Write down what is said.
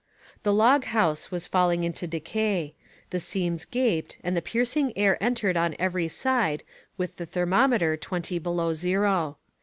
The log house was falling into decay. The seams gaped and the piercing air entered on every side with the thermometer twenty below zero.